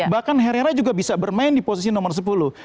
bahkan herrera juga bisa bermain di posisi nomor sepuluh